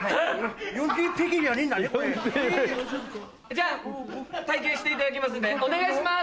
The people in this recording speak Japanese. じゃあ体験していただきますんでお願いします！